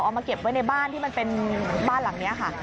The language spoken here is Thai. มาเก็บไว้ในบ้านที่มันเป็นบ้านหลังนี้ค่ะ